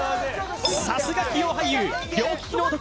さすが器用俳優両利きの男